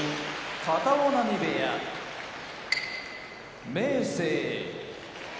片男波部屋明生